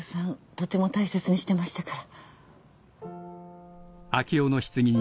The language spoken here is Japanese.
とても大切にしてましたから。